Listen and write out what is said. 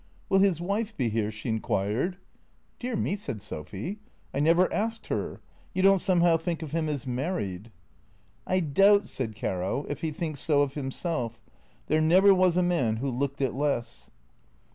" Will his wife be here? " she inquired. "Dear me," said Sophy, "I never asked her. You don't somehow think of him as married." " I doubt," said Caro, " if he thinks so of himself. There never was a man who looked it less."